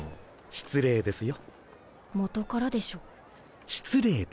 失礼ですよ。